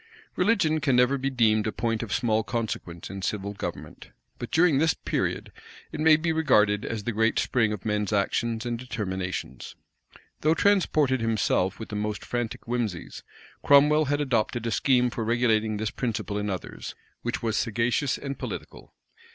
Religion can never be deemed a point of small consequence in civil government: but during this period, it may be regarded as the great spring of men's actions and determinations. Though transported himself with the most frantic whimseys, Cromwell had adopted a scheme for regulating this principle in others, which was sagacious and political.